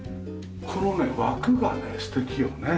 このね枠がね素敵よね。